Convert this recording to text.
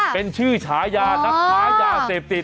เป็นชื่อฉายานักค้ายาเสพติด